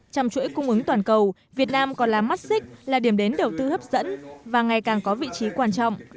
trong chuỗi cung ứng toàn cầu việt nam còn là mắt xích là điểm đến đầu tư hấp dẫn và ngày càng có vị trí quan trọng